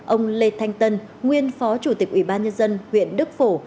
ông lê thanh tân nguyên phó chủ tịch ủy ban nhân dân huyện đức phổ